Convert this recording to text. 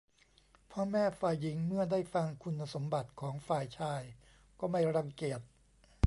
พ่อแม่ฝ่ายหญิงเมื่อได้ฟังคุณสมบัติของฝ่ายชายก็ไม่รังเกียจ